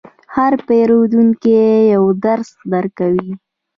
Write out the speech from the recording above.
هر پیرودونکی یو درس درکوي.